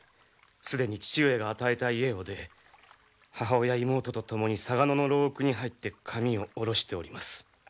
既に父上が与えた家を出母親妹と共に嵯峨野の陋屋に入って髪を下ろしております。